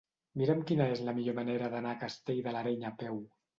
Mira'm quina és la millor manera d'anar a Castell de l'Areny a peu.